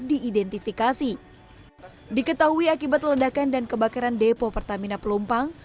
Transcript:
diidentifikasi diketahui akibat ledakan dan kebakaran depo pertamina pelumpang